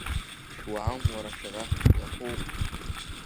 Шәуаам уара шәара, шәлақәоуп!